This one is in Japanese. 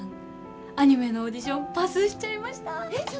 アニメのオーディションパスしちゃいました！